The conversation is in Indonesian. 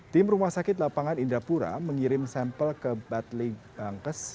tim rumah sakit lapangan indrapura mengirim sampel ke butling bankes